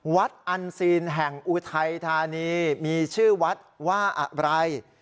วัดอันซีนแห่งอุทัยธานีมีชื่อวัดว่าอะไร